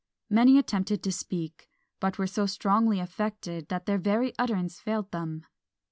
Many attempted to speak, but were so strongly affected that their very utterance failed them.